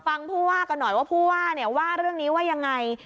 ฟังผู้ว่ากันหน่อยว่าผู้ว่าเรื่องนี้ว่ายังไง